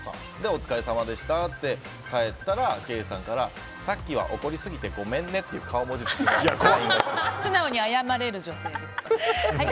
お疲れさまでしたって帰ったらケイさんからさっきは怒りすぎてごめんねって素直に謝れる女性です。